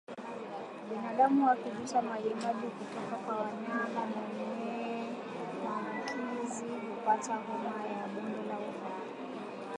Binadamu akigusa majimaji kutoka kwa mnyama mwenye maambukizi hupata homa ya bonde la ufa